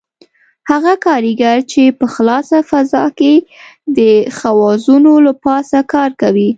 هغه کاریګر چې په خلاصه فضا کې د خوازونو له پاسه کار کوي.